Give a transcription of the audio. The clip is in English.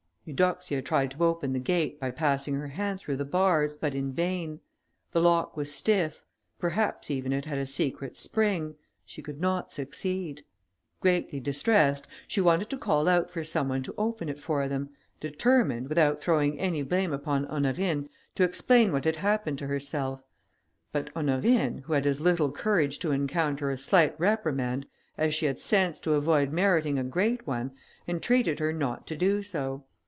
Eudoxia tried to open the gate, by passing her hand through the bars, but in vain; the lock was stiff; perhaps even it had a secret spring; she could not succeed. Greatly distressed, she wanted to call out for some one to open it for them, determined, without throwing any blame upon Honorine, to explain what had happened to herself: but Honorine, who had as little courage to encounter a slight reprimand, as she had sense to avoid meriting a great one, entreated her not to do so.